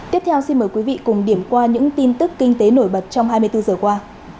tiếp theo xin mời quý vị cùng điểm qua những tin tức kinh tế nổi bật trong hai mươi bốn giờ qua